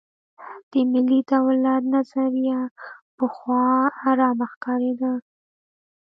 د ملي دولت نظریه پخوا حرامه ښکارېده.